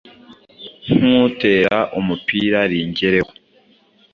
nkutera umupira ringereho.”